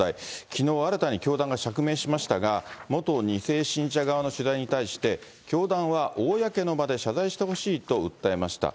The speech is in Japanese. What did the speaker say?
きのう、新たに教団が釈明しましたが、元２世信者側の取材に対して、教団は公の場で謝罪してほしいと訴えました。